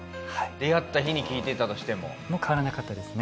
出会った日に聞いてたとしても？も変わらなかったですね。